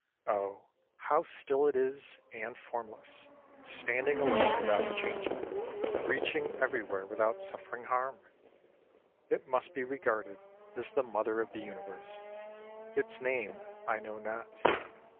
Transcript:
Oh, how still it is, and formless, standing alone without chang ing, reaching everywhere without suffering harm ! It must be regarded as the Mother of the Universe. Its name I know not.